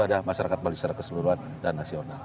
kepada masyarakat bali secara keseluruhan dan nasional